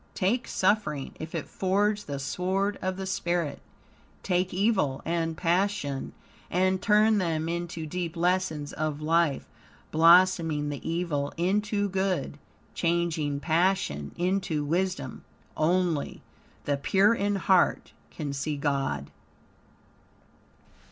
Take suffering, if it forge the sword of the spirit. Take evil and passion, and turn them into deep lessons of life, blossoming the evil into good, changing passion into wisdom. Only "the pure in heart can see God."